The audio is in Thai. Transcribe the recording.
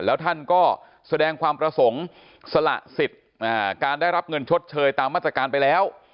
แล้วท่านก็แสดงความประสงค์สละสิทธิ์การได้รับเงินชดเชยตามมาตรการไปแล้ว